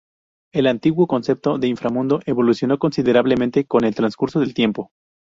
El antiguo concepto de inframundo evolucionó considerablemente con el transcurso del tiempo.